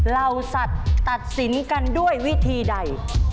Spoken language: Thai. เหล่าสัตว์ตัดสินกันด้วยวิธีใด